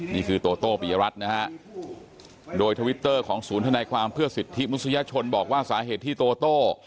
โตโต้ปียรัฐนะฮะโดยทวิตเตอร์ของศูนย์ธนายความเพื่อสิทธิมนุษยชนบอกว่าสาเหตุที่โตโต้